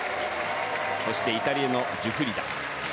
そして、イタリアのジュフリダ。